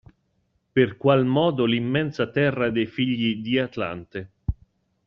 Per qual modo l'immensa terra dei figli di Atlante.